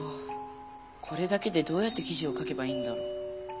これだけでどうやって記事を書けばいいんだろう。